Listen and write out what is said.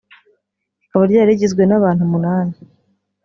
rikaba ryari rigizwe n’abantu umunani